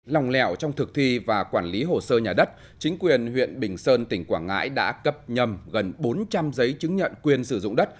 lòng lẻo trong thực thi và quản lý hồ sơ nhà đất chính quyền huyện bình sơn tỉnh quảng ngãi đã cấp nhầm gần bốn trăm linh giấy chứng nhận quyền sử dụng đất